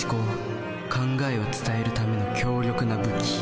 考えを伝えるための強力な武器。